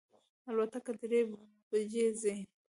الوتکه درې بجی ځي